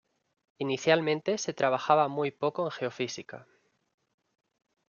Inicialmente, se trabajaba muy poco en geofísica.